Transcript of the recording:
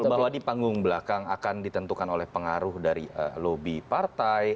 bahwa di panggung belakang akan ditentukan oleh pengaruh dari lobby partai